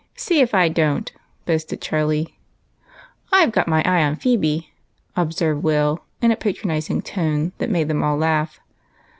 " See if I don't !"" I 've got my eye on Phebe," observed AVill, in a patronizing tone that made them all laugh.